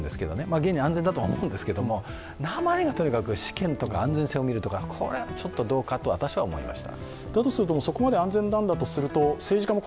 現に安全だと思うんですけど、名前がとにかく、試験とか、安全性を見るとかこれはちょっとどうかと私は思いました。